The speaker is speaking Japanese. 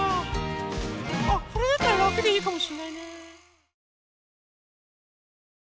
あこれだったららくでいいかもしれないね。